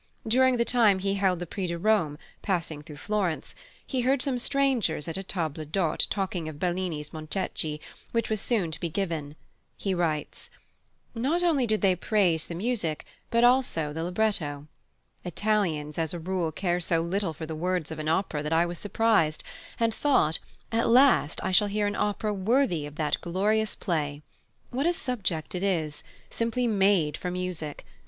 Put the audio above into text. During the time he held the Prix de Rome, passing through Florence, he heard some strangers at a table d'hôte talking of Bellini's Montecchi, which was soon to be given. He writes: "Not only did they praise the music, but also the libretto. Italians as a rule care so little for the words of an opera that I was surprised, and thought at last I shall hear an opera worthy of that glorious play. What a subject it is! Simply made for music.